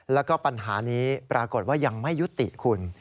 แล้วก็ปัญหานี้ปรากฏว่ายังไม่ยุติคุณ